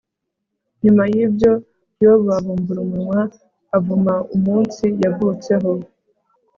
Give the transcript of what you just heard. nyuma y'ibyo, yobu abumbura umunwa, avuma umunsi yavutseho